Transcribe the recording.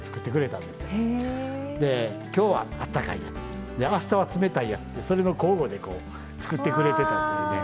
で今日はあったかいやつあしたは冷たいやつってそれの交互でこう作ってくれてたというね。